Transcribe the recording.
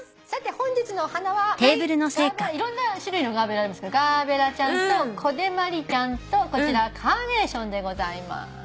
さて本日のお花はいろんな種類のガーベラガーベラちゃんとコデマリちゃんとこちらカーネーションでございます。